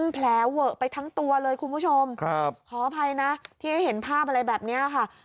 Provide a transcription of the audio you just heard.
แผลเวอะไปทั้งตัวเลยคุณผู้ชมขออภัยนะที่ให้เห็นภาพอะไรแบบนี้ค่ะ